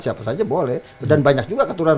siapa saja boleh dan banyak juga keturunan